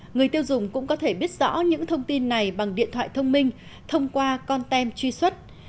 người tiêu dùng cũng có thể biết rõ những thông tin này bằng điện thoại thông minh thông qua con tem truy xuất